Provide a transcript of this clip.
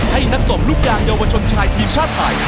ให้นักตบลูกยางเยาวชนชายทีมชาติไทย